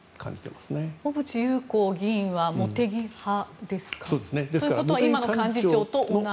小渕優子議員は茂木派ですか。ということは今の幹事長と同じ？